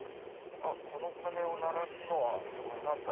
「この鐘を鳴らすのはあなた。